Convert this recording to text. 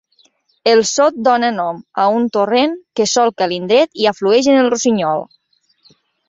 El sot dóna nom a un torrent, que solca l'indret i aflueix en el Rossinyol.